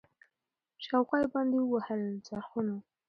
شاوخوا یې باندي ووهل څرخونه